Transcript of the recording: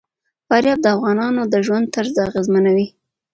فاریاب د افغانانو د ژوند طرز اغېزمنوي.